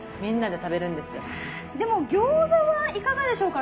でも餃子はいかがでしょうか？